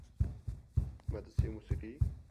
مدرسۀ موسیقی